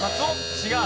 違う。